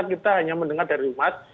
kita hanya mendengar dari umat